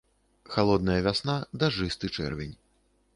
Халодная вясна, дажджысты чэрвень.